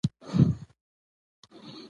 نوې دوره د نوو لغاتو غوښتنه کوي.